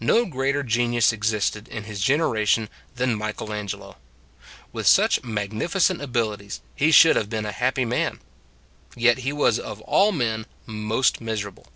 No greater genius existed in his genera tion than Michelangelo. With such mag nificent abilities he should have been a happy man : yet he was of all men most miserable.